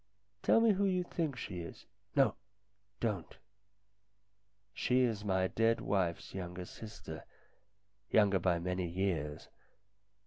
"Tell me who you think she is no, don't. She is my dead wife's younger sister, younger by many years.